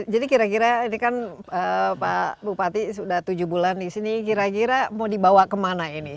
jadi kira kira ini kan pak bupati sudah tujuh bulan di sini kira kira mau dibawa ke mana ini